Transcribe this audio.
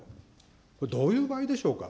これ、どういう場合でしょうか。